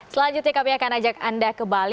selanjutnya kami akan ajak anda ke bali